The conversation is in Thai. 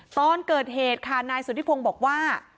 ตอนเกิดเหตุค่ะนายสุธิพงศ์บอกว่า